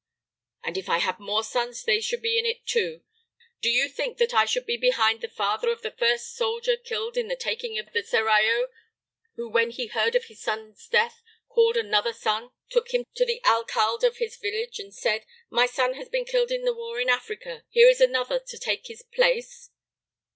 "And if I had more sons they should be in it, too. Do you think that I should be behind the father of the first soldier killed at the taking of the Serrallo, who when he heard of his son's death called another son, took him to the alcalde of his village, and said: 'My son has been killed in the war in Africa; here is another to take his place'?"